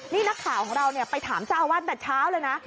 นี่นักข่าวของเราไปถามเจ้าอาวาสแต่เช้าเลยนะ